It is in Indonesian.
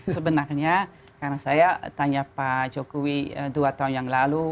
sebenarnya karena saya tanya pak jokowi dua tahun yang lalu